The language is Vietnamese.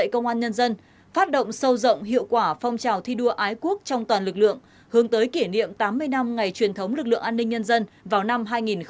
công an nhân dân phát động sâu rộng hiệu quả phong trào thi đua ái quốc trong toàn lực lượng hướng tới kỷ niệm tám mươi năm ngày truyền thống lực lượng an ninh nhân dân vào năm hai nghìn hai mươi